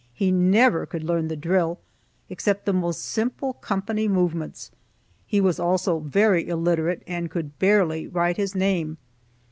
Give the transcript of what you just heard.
He never could learn the drill, except the most simple company movements. He was also very illiterate, and could barely write his name.